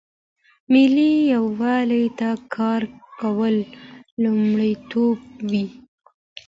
ملي یووالي ته کار کول لومړیتوب وي.